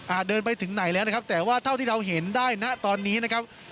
เดินไปถึงไหนแล้วนะครับแต่ว่าเท่าที่เราเห็นได้นะตอนนี้นะครับ